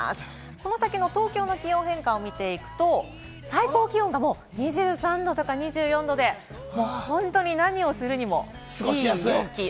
この先の東京の気温の変化を見ていくと、最高気温が２３度とか２４度で、本当に何をするにもいい陽気。